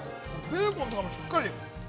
ベーコンとかもしっかり。